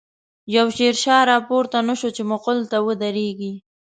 يو” شير شاه “راپورته نه شو، چی ” مغل” ته ودريږی